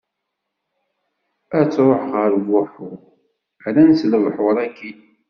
Ad ttruɣ ɣef Buḥu, rran-t lebḥur akin.